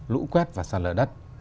lũ quét và sạt lở đất